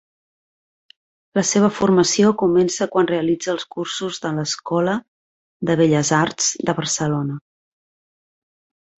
La seva formació comença quan realitza els cursos de l'escola de Belles Arts de Barcelona.